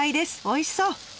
おいしそう！